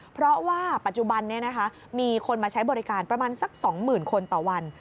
เพราะว่าปัจจุบันนี้มีคนมาใช้บริการประมาณสัก๒๐๐๐คนต่อวัน